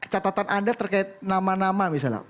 catatan anda terkait nama nama misalnya